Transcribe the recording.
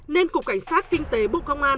nên cục cảnh sát kinh tế bộ công an